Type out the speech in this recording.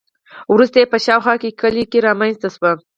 وروسته یې په شاوخوا کې کلي رامنځته شوي.